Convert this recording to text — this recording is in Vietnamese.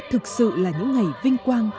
thực sự là những ngày vinh quang